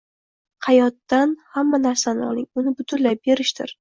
Hayotdan hamma narsani oling, uni butunlay berishdir.